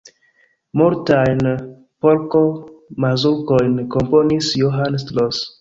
Multajn polko-mazurkojn komponis Johann Strauss.